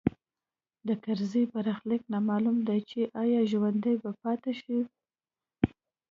د کرزي برخلیک نامعلوم دی چې ایا ژوندی به پاتې شي